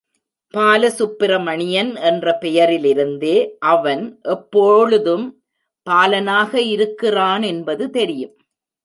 பாலசுப்பிரமணியன் என்ற பெயரிலிருந்தே அவன் எப்போழுதும் பாலனாக இருக்கிறான் என்பது தெரியும்.